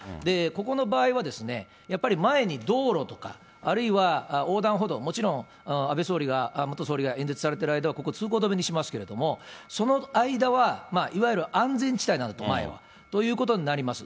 ここの場合は、やっぱり前に道路とか、あるいは横断歩道、もちろん安倍元総理が演説されてる間は、ここ、通行止めにしますけれども、その間は、いわゆる安全地帯なのだと、前は、ということになります。